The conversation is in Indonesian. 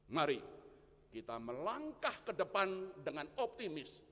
mari kita melangkah ke depan dengan optimis